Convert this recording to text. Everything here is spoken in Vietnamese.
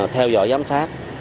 theo dõi giám sát